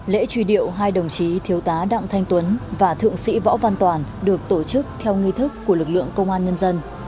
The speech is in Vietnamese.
lễ truy điệu hai đồng chí thiếu tá đặng thanh tuấn và thượng sĩ võ văn toàn được tổ chức theo nghi thức của lực lượng công an nhân dân